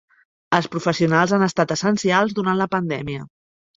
Els professionals han estat essencials durant la pandèmia.